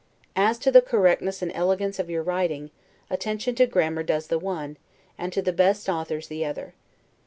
As to the correctness and elegance of your writing, attention to grammar does the one, and to the best authors the other.